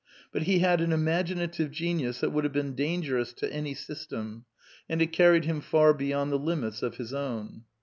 But he had an imaginative genius that would have been dangerous to any system, and it carried him far beyond the limits of his own.